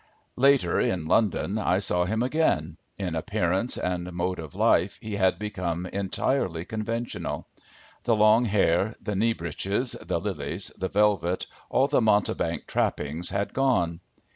Later, in London, I saw him again. In appearance and mode of life he had become entirely conventional. The long hair, the knee breeches, the lilies, the velvet, all the mountebank trappings had gone.